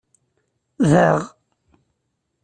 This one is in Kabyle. Daɣ!